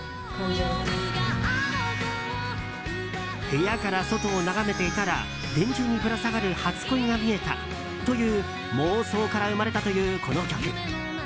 部屋から外を眺めていたら電柱にぶら下がる初恋が見えたという妄想から生まれたというこの曲。